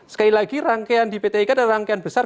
sekali lagi rangkaian di pt ika adalah rangkaian besar